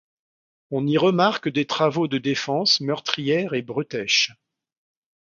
On y remarque des travaux de défense, meurtrières et bretèches.